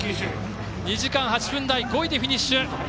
２時間８分台５位でフィニッシュ。